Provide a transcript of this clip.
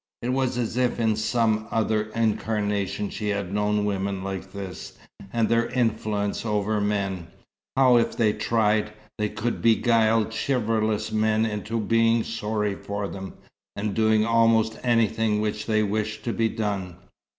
It was as if in some other incarnation she had known women like this, and their influence over men: how, if they tried, they could beguile chivalrous men into being sorry for them, and doing almost anything which they wished to be done.